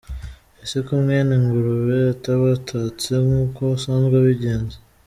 Ese ko mwene Ngurube atabataste nk’uko asanzwe abigenza!!